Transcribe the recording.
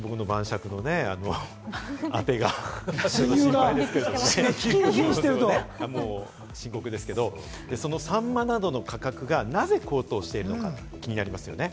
晩酌のあてが心配ですけれども、そのサンマなどの価格がなぜ高騰しているのか気になりますよね。